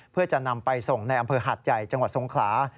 เพื่อจะนำไปส่งในอำเภอหาดใหญ่จังหวัดสงขลา